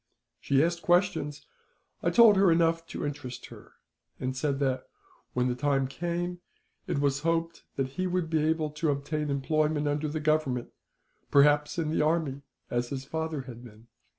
"She asked questions. I told her enough to interest her; and said that, when the time came, it was hoped that he would be able to obtain employment under the Government perhaps in the army, as his father had been.